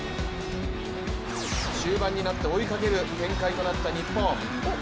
終盤になって追いかける展開となった日本。